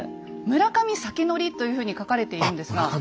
「村上先乗」というふうに書かれているんですが。